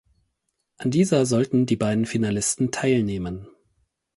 An dieser sollten die beiden Finalisten teilnehmen.